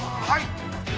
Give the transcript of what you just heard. はい。